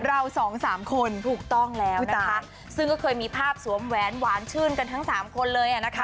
เราสองสามคนถูกต้องแล้วนะคะซึ่งก็เคยมีภาพสวมแหวนหวานชื่นกันทั้งสามคนเลยอ่ะนะคะ